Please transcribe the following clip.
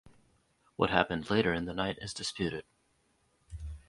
What happened later in the night is disputed.